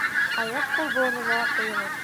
— Аяҡ-ҡул быуынына ҡуйығыҙ.